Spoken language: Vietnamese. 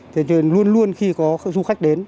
thế nên luôn luôn khi có du khách đến